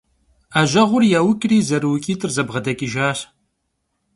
'ejeğur yauç'ri, zerıuç'it'ır zebğedeç'ıjjaş.